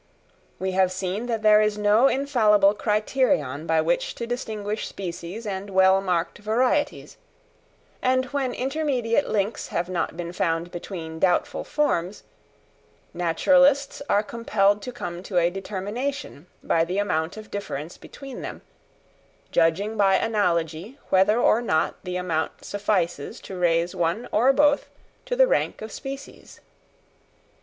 We have seen that there is no infallible criterion by which to distinguish species and well marked varieties; and when intermediate links have not been found between doubtful forms, naturalists are compelled to come to a determination by the amount of difference between them, judging by analogy whether or not the amount suffices to raise one or both to the rank of species.